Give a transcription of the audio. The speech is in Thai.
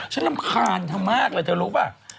รำคาญเธอมากเลยเธอรู้ป่ะ